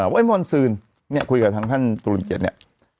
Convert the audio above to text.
ว่าเมื่อวานซืนคุยกับท่านตุรนเกียรติ